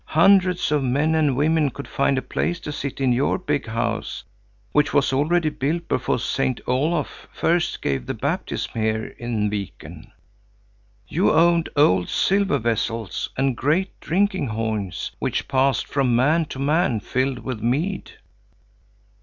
Hundreds of men and women could find a place to sit in your big house, which was already built before Saint Olof first gave the baptism here in Viken. You owned old silver vessels and great drinking horns, which passed from man to man, filled with mead."